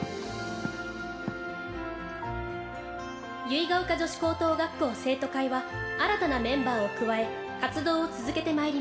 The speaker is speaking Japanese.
結ヶ丘女子高等学校生徒会は新たなメンバーを加え活動を続けてまいります。